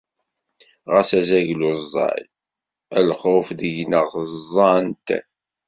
Ɣas azaglu ẓẓay, lxuf deg-nneɣ ẓẓan-t.